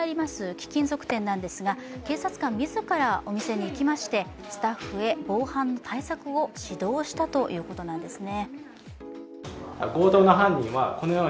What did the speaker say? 貴金属店なんですが警察官自らお店に行きましてスタッフへ防犯の対策を指導したということなんですね。